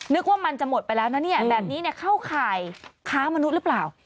ว่ามันจะหมดไปแล้วนะเนี่ยแบบนี้เข้าข่ายค้ามนุษย์หรือเปล่า